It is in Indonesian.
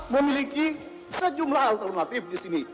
memiliki sejumlah alternatif di sini